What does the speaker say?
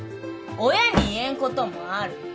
親に言えん事もある。